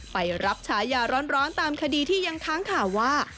ไปรับฉายาร้อนตามคดีที่ยังค้างข่าวว่า